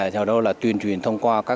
theo đó là tuyên truyền thông qua các